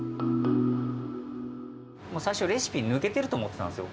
最初、レシピ抜けてると思ったんですよ。